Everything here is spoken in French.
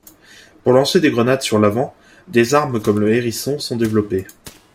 Pour lancer des grenades sur l'avant, des armes comme le Hérisson sont développées.